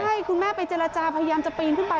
ใช่คุณแม่ไปเจรจาพยายามจะปีนขึ้นไป